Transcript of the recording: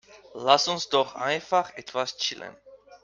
Lass uns doch einfach etwas chillen.